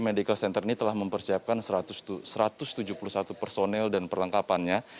medical center ini telah mempersiapkan satu ratus tujuh puluh satu personel dan perlengkapannya